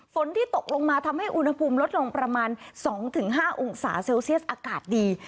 ฝนที่ตกลงมาทำให้อุณหภูมิลดลงประมาณ๒๕องศาเซลเซียสอากาศดี